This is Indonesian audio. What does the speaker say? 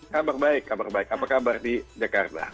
kabar baik kabar baik apa kabar di jakarta